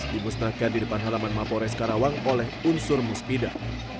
dimusnahkan di depan halaman mapores karawang oleh unsur musbidah